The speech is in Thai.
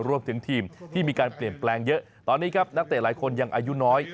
รวมถึงทีมที่มีการเปลี่ยนแปลงเยอะตอนนี้ครับนักเตะหลายคนยังอายุน้อย